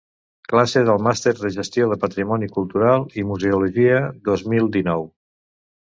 Classe del Màster de Gestió del Patrimoni Cultural i Museologia, dos mil dinou.